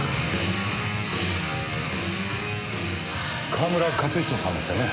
川村活人さんですよね？